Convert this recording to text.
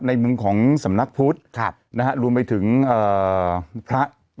ในเมืองของสำนักพุทธนะครับรวมไปถึงพระ